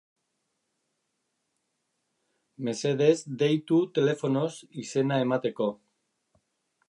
Mesedez, deitu telefonoz izena emateko.